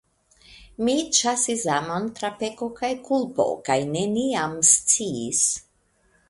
Mi ĉasis amon tra peko kaj kulpo, kaj neniam sciis.